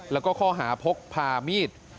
และข้อหาพกพามีด